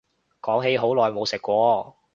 講起好耐冇食過